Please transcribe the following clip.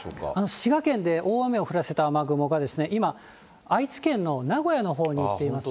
滋賀県で大雨を降らせた雨雲が今、愛知県の名古屋のほうに行っています。